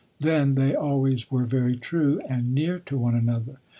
Then they always were very true, and near to one another.